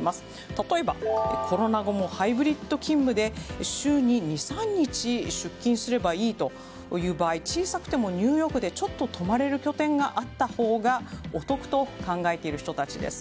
例えば、コロナ後もハイブリッド勤務で週に２３日出勤すればいいという場合小さくてもニューヨークでちょっと泊まれる拠点があったほうがお得と考えている人たちです。